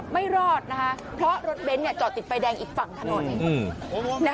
ไม่รอดนะคะเพราะรถเบ้นเนี่ยจอดติดไฟแดงอีกฝั่งเท่านั้น